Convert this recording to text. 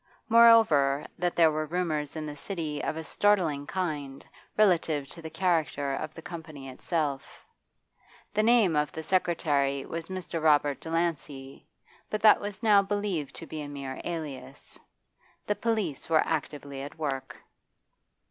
Moreover, that there were rumours in the City of a startling kind, relative to the character of the Company itself. The name of the secretary was Mr. Robert Delancey, but that was now believed to be a mere alias. The police were actively at work.